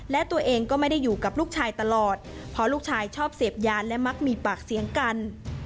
และตัวเองก็ไม่ได้อยู่กับลูกชายตลอดเพราะลูกชายชอบเสพยาและมักมีปากเสียงกัน